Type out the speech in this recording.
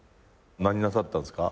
何なさったんですか？